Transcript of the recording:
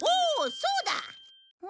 そうだ！